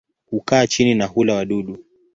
Hukaa chini na hula wadudu.